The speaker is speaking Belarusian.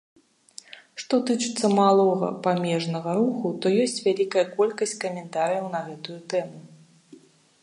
Што тычыцца малога памежнага руху, то ёсць вялікая колькасць каментарыяў на гэтую тэму.